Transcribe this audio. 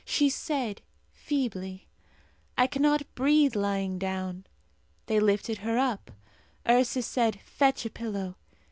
She said, feebly, "I cannot breathe lying down." They lifted her up. Ursus said, "Fetch a pillow."